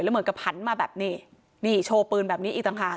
เหมือนกับหันมาแบบนี้นี่โชว์ปืนแบบนี้อีกต่างหาก